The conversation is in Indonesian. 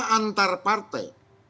kerja sama antar partai